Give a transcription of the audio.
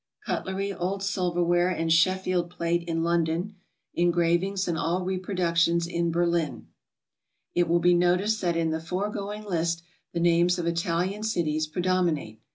Cutlery, old silverware, and Sheffield plate, in London. Engravings and all reproductions, in Berlin. It will be noticed that in the foregoing list the names SOMEWHAT FINANCIAL. 201 \of Italian cities predominate.